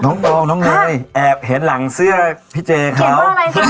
ปองน้องเนยแอบเห็นหลังเสื้อพี่เจเขา